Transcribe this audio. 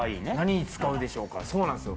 何に使うんでしょうか？